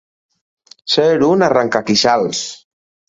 Ser un arrencaqueixals.